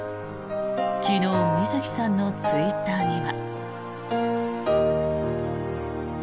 昨日水木さんのツイッターには。